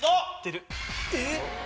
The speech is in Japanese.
えっ？